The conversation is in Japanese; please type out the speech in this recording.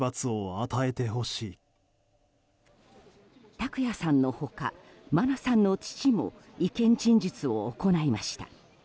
拓也さんのほか真菜さんの父も意見陳述を行いました。